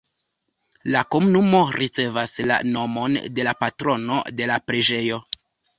La komunumo ricevis la nomon de patrono de la preĝejo.